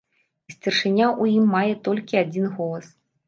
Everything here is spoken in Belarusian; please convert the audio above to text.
І старшыня ў ім мае толькі адзін голас.